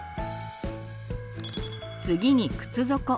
次に靴底。